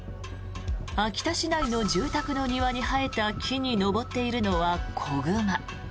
秋田市内の住宅の庭に生えた木に登っているのは子熊。